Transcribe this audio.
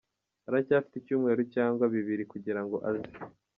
Aracyafite icyumweru cyangwa bibiri kugira ngo aze.